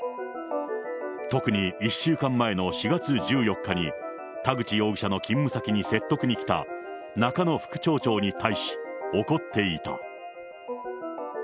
特に１週間前の４月１４日に、田口容疑者の勤務先に説得に来た、中野副町長に対し、怒っていた。